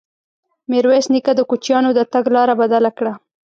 ميرويس نيکه د کوچيانو د تګ لاره بدله کړه.